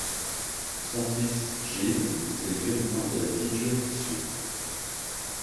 Son fils, Gilles, était lieutenant de la dite juridiction.